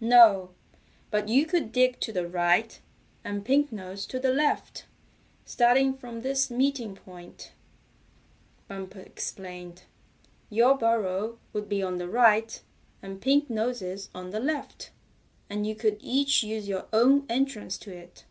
"No, but you could dig to the right, and Pink Nose to the left, starting from this meeting point," Bumper explained. "Your burrow would be on the right, and Pink Nose's on the left, and you could each use your own entrance to it.